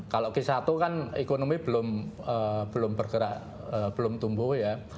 kalau k satu kan ekonomi belum bergerak belum tumbuh ya